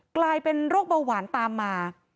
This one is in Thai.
กลายเป็นโรคเบาหวานตามมา